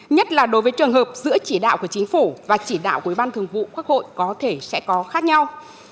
nhất là đối với trường hợp giữa chỉ đạo của chính phủ và chỉ đạo của ủy ban thường vụ quốc hội có thể sẽ có khác nhau